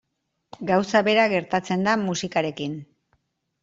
Gauza bera gertatzen da musikarekin.